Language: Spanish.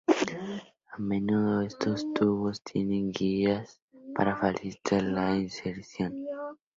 A me nudo, estos tubos tienen guías para facilitar la inserción.